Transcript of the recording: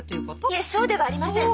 いえそうではありません。